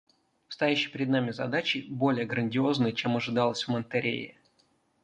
Стоящие перед нами задачи более грандиозны, чем ожидалось в Монтеррее.